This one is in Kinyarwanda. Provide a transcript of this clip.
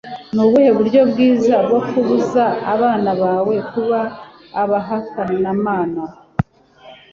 nubuhe buryo bwiza bwo kubuza abana bawe kuba abahakanamana